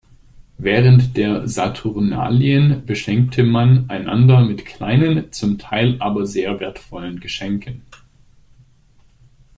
Während der Saturnalien beschenkte man einander mit kleinen, zum Teil aber sehr wertvollen Geschenken.